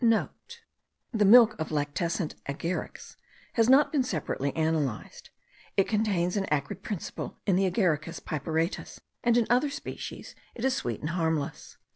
*(* The milk of the lactescent agarics has not been separately analysed; it contains an acrid principle in the Agaricus piperatus, and in other species it is sweet and harmless.